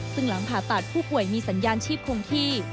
ซึ่งหลังผ่าตัดผู้ป่วยมีสัญญาณชีพคงที่